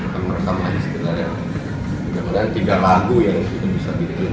dan merekam lagi sebentar lagi kemudian tiga lagu yang bisa kita bikin